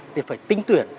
thì phải tính tuyển